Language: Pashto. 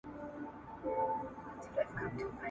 د باز له ځالې باز ولاړېږي